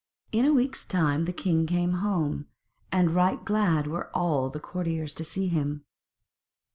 In a week's time the king came home, and right glad were all the courtiers to see him.